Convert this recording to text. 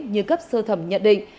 như cấp sơ thẩm nhận định